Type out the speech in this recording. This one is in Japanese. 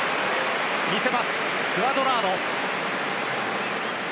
見せます、クアドラード。